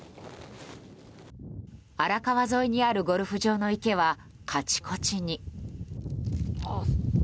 荒川沿いにあるゴルフ場の池はカチコチに。